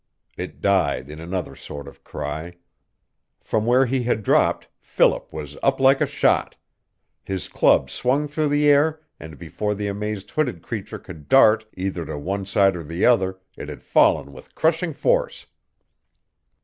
It died in another sort of cry. From where he had dropped Philip was up like a shot. His club swung through the air and before the amazed hooded creature could dart either to one side or the other it had fallen with crushing force.